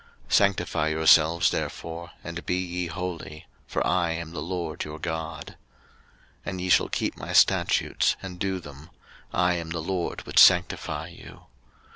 03:020:007 Sanctify yourselves therefore, and be ye holy: for I am the LORD your God. 03:020:008 And ye shall keep my statutes, and do them: I am the LORD which sanctify you.